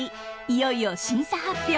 いよいよ審査発表。